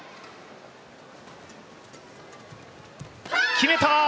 決めた！